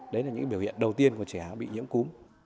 đấy là những biểu hiện đầu tiên của trẻ bị nhiễm cúm